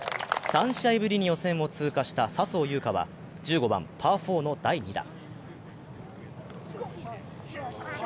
３試合ぶりに予選を通過した笹生優花は１５番パー４の第２打。